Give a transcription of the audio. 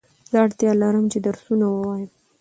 زه اړتیا لرم چي درسونه ووایم